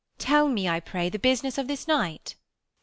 Tell me, I pray, the business of this night ? Balt.